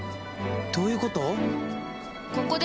どういうこと？